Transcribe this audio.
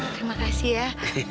terima kasih ya